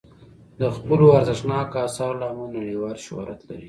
د خپلو ارزښتناکو اثارو له امله نړیوال شهرت لري.